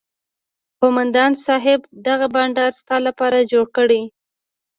قومندان صايب دغه بنډار ستا لپاره جوړ کړى.